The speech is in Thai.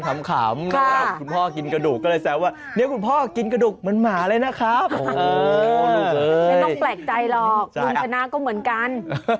ไม่ต้องแปลกใจหรอกชนะก็เหมือนกัน